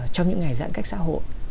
trong những ngày giãn cách xã hội